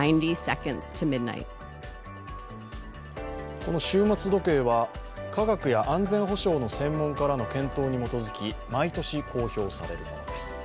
この終末時計は科学や安全保障の専門家らの検討に基づき、毎年公表されるものです。